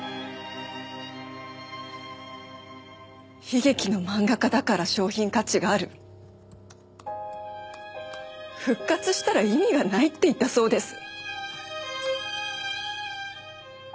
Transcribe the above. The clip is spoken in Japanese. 悲劇の漫画家だから商品価値がある復活したら意味がないって言ったそうです。